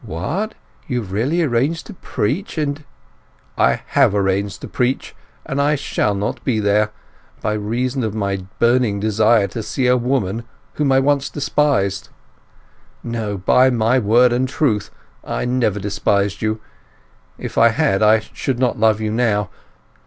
"What, you have really arranged to preach, and—" "I have arranged to preach, and I shall not be there—by reason of my burning desire to see a woman whom I once despised!—No, by my word and truth, I never despised you; if I had I should not love you now!